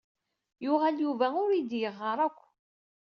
Yuɣal Yuba ur iyi-d-yeɣɣar akk.